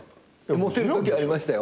モテるときありましたよ。